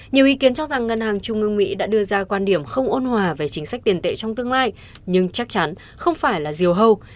nhiều ý kiến cho rằng ngân hàng trung ương mỹ đã đưa ra quan điểm không ôn hòa về chính sách tiền tệ trong tương lai nhưng chắc chắn không phải là diều hâu